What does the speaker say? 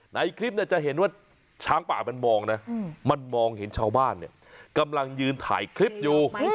ในคลิปจะเห็นว่าช้างป่ามันมองนะมันมองเห็นชาวบ้านเนี่ยกำลังยืนถ่ายคลิปอยู่